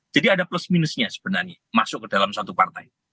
jadi ada plus minusnya sebenarnya masuk ke dalam satu partai